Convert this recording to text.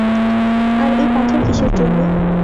আর এই পাথর কীসের জন্য?